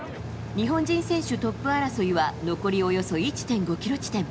日本人選手トップ争いは残りおよそ１．５ｋｍ地点。